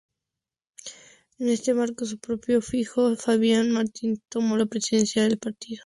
En este marco, su propio hijo Fabián Martín tomó la presidencia del partido.